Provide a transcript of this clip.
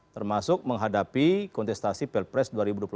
termasuk menghadapi kontestasi pelpres dua ribu dua puluh empat